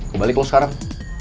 gue balik lo sekarang